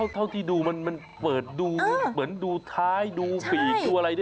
เท่าที่ดูมันเปิดดูเหมือนดูท้ายดูปีกดูอะไร